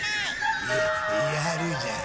ややるじゃん。